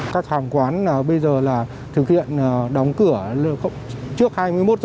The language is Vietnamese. các hàng quán bây giờ là thực hiện đóng cửa trước hai mươi một h